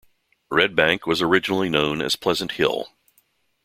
Red Bank was originally known as Pleasant Hill.